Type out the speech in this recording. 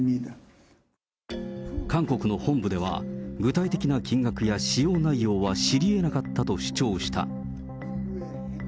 韓国の本部では、具体的な金額や使用内容は知りえなかったと主張した。